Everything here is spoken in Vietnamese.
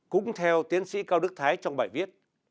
cũng theo tiến sĩ cao đức thái trong bài viết